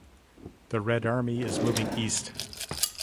The Red Army is moving east.